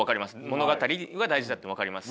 物語が大事だって分かります。